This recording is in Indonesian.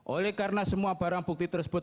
oleh karena semua barang bukti tersebut